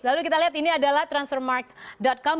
lalu kita lihat ini adalah transfermark com